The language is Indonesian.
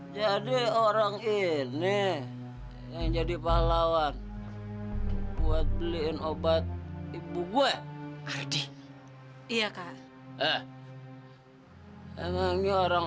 sampai jumpa di video selanjutnya